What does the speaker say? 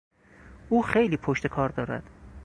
او خیلی پشتکار دارد.